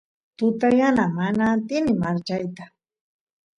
tuta yana mana atini marchayta